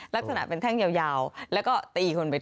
ลักษณะเป็นแท่งยาวแล้วก็ตีคนไปด้วย